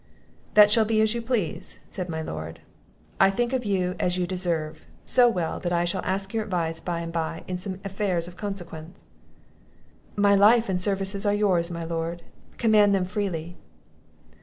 "That shall be as you please," said my Lord. "I think of you as you deserve; so well, that I shall ask your advice by and by in some affairs of consequence." "My life and services are yours, my lord; command them freely."